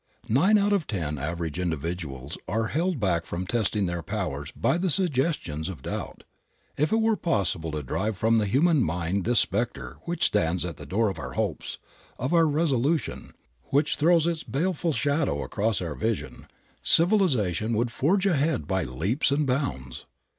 Nine out of ten average individuals are held back from testing their powers by the suggestions of doubt. If it were possible to drive from the human mind this specter which stands at the door of our hopes, of our resolution, which throws its baleful shadow across our vision, civilization would forge ahead by leaps and bounds.